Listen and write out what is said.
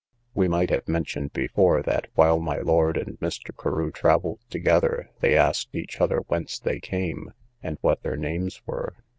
We might have mentioned before, that, while my lord and Mr. Carew travelled together, they asked each other whence they came, and what their names were.